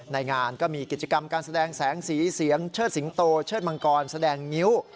ในงานก็มีกิจกรรมการแสดงแสงสีเสียงเชิดสิงโตเชิดมังกรแสดงงิ้ว